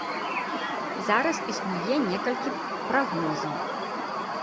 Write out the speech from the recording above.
Зараз існуе некалькі прагнозаў.